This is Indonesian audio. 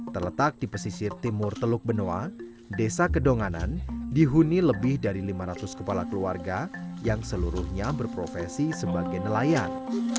terletak di pesisir timur teluk benoa desa kedonganan dihuni lebih dari lima ratus kepala keluarga yang seluruhnya berprofesi sebagai nelayan